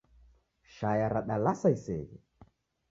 Shaya radalasa iseghe